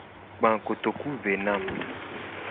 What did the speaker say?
Gba kotoku ve na mu.